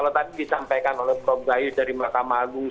kalau tadi disampaikan oleh prof gayud dari makam agung